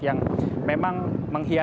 yang memang menghiasi kota